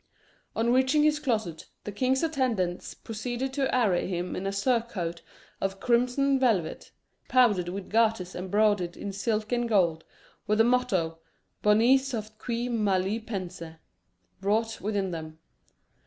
On reaching his closet, the king's attendants proceeded to array him in a surcoat of crimson velvet, powdered with garters embroidered in silk and gold, with the motto boni soft qui mal y pense wrought within them.